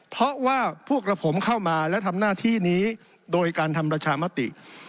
เพราะว่าพวกเราผมเข้ามาและทำหน้าที่นี้โดยการทำประชามติ